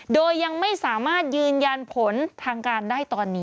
โดยยังไม่สามารถยืนยันผลทางการได้ตอนนี้